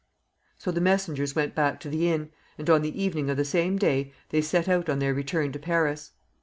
So the messengers went back to the inn, and on the evening of the same day they set out on their return to Paris.